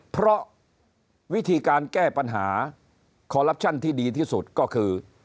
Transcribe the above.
เพราะวิธีการแก้ปัญหาคอลลับชั่นที่ดีที่สุดก็คือ